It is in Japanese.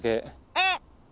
えっ！